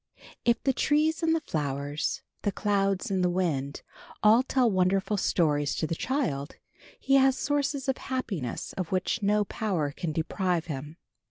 If the trees and the flowers, the clouds and the wind, all tell wonderful stories to the child he has sources of happiness of which no power can deprive him.